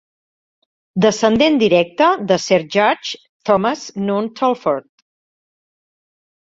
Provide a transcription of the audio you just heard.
Descendent directe de Sr. Judge Thomas Noon Talfourd.